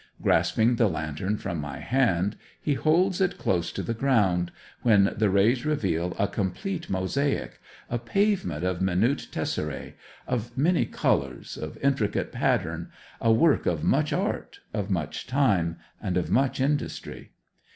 Grasping the lantern from my hand he holds it close to the ground, when the rays reveal a complete mosaic a pavement of minute tesserae of many colours, of intricate pattern, a work of much art, of much time, and of much industry.